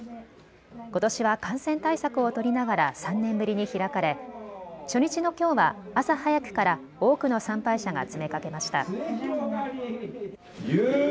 ことしは感染対策を取りながら３年ぶりに開かれ初日のきょうは朝早くから多くの参拝者が詰めかけました。